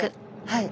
はい。